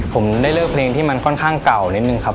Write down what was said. ผมได้เลือกเพลงที่มันค่อนข้างเก่านิดนึงครับ